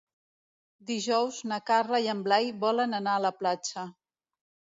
Dijous na Carla i en Blai volen anar a la platja.